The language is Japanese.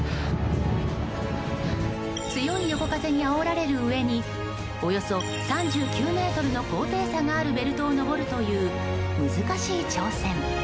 強い横風にあおられるうえにおよそ３９ｍの高低差があるベルトを上るという難しい挑戦。